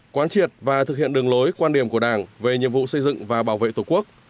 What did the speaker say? quán triệt và thực hiện đường lối quan điểm của đảng về nhiệm vụ xây dựng và bảo vệ tổ quốc